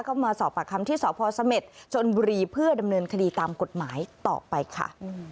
มาสอบปากคำที่สพเสม็ดชนบุรีเพื่อดำเนินคดีตามกฎหมายต่อไปค่ะ